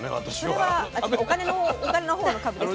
それはお金のほうの株ですか？